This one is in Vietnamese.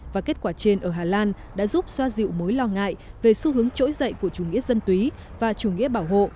và kết quả trên ở hà lan đã giúp xoa dịu mối lo ngại về xu hướng trỗi dậy của chủ nghĩa dân túy và chủ nghĩa bảo hộ